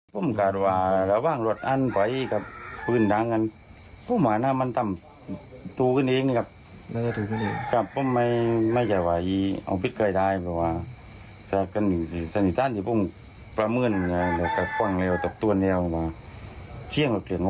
เพราะว่านั้นคือส่วนสำคัญที่ทำให้เขาถูกออกไม้จับในวันนี้นะคะ